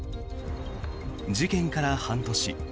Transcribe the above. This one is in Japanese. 事件から半年。